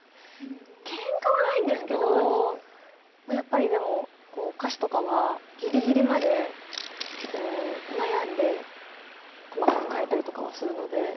けんかはないんですけどやっぱりでも歌詞とかはギリギリまでこう悩んで細かく変えたりとかはするので。